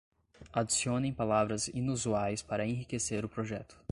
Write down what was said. Adicionem palavras inusuais para enriquecer o projeto